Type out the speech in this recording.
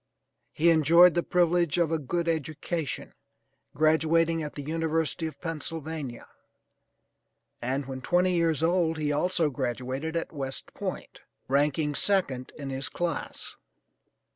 He enjoyed the privilege of a good education, graduating at the University of Pennsylvania, and when twenty years old he also graduated at West Point, ranking second in his class.